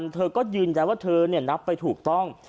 เธอก็ยืนยันว่าเธอนับไปถูกต้อง